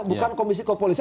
bukan komisi kepolisian